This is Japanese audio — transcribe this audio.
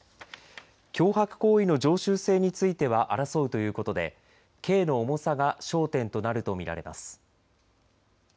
脅迫行為の常習性については争うということで刑の重さが焦点となると見られます。